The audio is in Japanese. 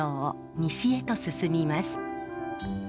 西へと進みます。